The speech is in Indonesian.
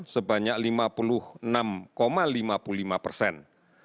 sebanyak lima puluh enam lima puluh lima persen